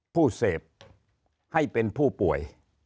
ผู้เสพให้เป็นผู้ป่วย